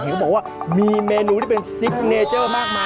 เขาบอกว่ามีเมนูที่เป็นซิกเนเจอร์มากมาย